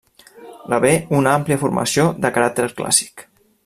Rebé una àmplia formació de caràcter clàssic.